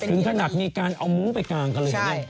ถึงขนาดมีการเอามุ้งไปกลางกันเลย